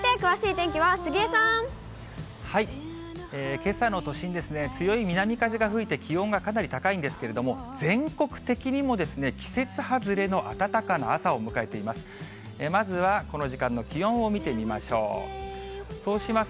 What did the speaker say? けさの都心ですね、強い南風が吹いて、気温がかなり高いんですけれども、全国的にも季節外れの暖かな朝を迎えています。